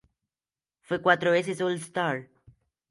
Fue cuatro veces All-Star.